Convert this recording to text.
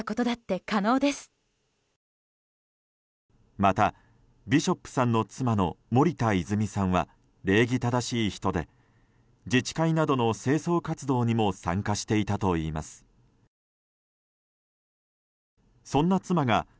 また、ビショップさんの妻の森田泉さんは礼儀正しい人で自治会などの清掃活動にも参加していたといいます。